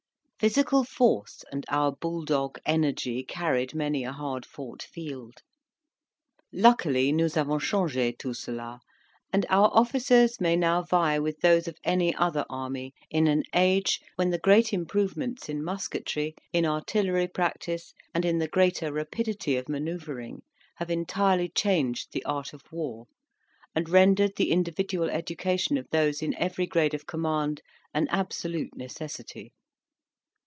Physical force and our bull dog energy carried many a hard fought field. Luckily, nous avons change tout cela, and our officers may now vie with those of any other army in an age when the great improvements in musketry, in artillery practice, and in the greater rapidity of manoeuvring, have entirely changed the art of war, and rendered the individual education of those in every grade of command an absolute necessity.